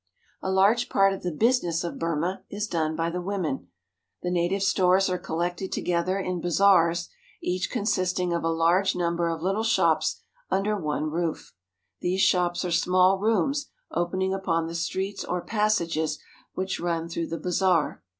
A large part of the business of Burma is done by the women. The native stores are collected together in bazaars, each consisting of a large number of little shops under one roof. These shops are small rooms opening upon the streets or passages which run through the bazaar.